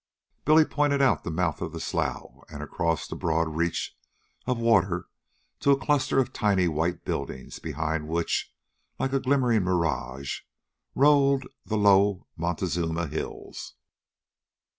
Billy pointed out the mouth of the slough and across the broad reach of water to a cluster of tiny white buildings, behind which, like a glimmering mirage, rolled the low Montezuma Hills.